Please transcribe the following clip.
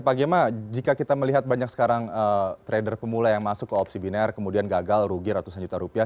pak gemma jika kita melihat banyak sekarang trader pemula yang masuk ke opsi biner kemudian gagal rugi ratusan juta rupiah